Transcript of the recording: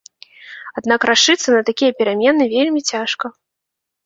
Аднак рашыцца на такія перамены вельмі цяжка.